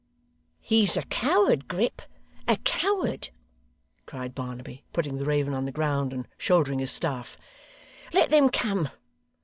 'He's a coward, Grip, a coward!' cried Barnaby, putting the raven on the ground, and shouldering his staff. 'Let them come!